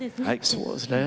そうですね。